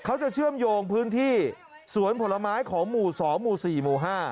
เชื่อมโยงพื้นที่สวนผลไม้ของหมู่๒หมู่๔หมู่๕